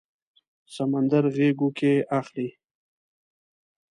سمندر غیږو کې اخلي